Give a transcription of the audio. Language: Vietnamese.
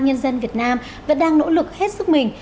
nhân dân việt nam vẫn đang nỗ lực hết sức mình